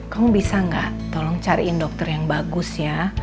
kamu bisa gak cariin dokter yang bagus ya